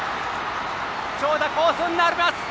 長打コースになります。